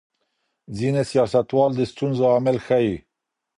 ځینې سیاستوال د ستونزو عامل ښيي.